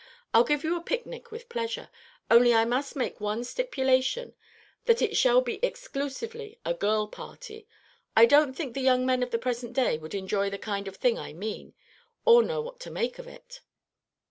"I'll give you a picnic with pleasure; only I must make one stipulation, that it shall be exclusively a girl party. I don't think the young men of the present day would enjoy the kind of thing I mean, or know what to make of it."